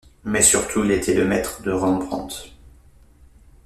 Mais surtout, il a été le maître de Rembrandt.